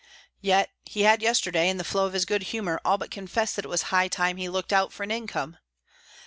Yet he had yesterday, in the flow of his good humour, all but confessed that it was high time he looked out for an income.